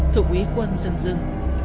thượng úy quân dân dưng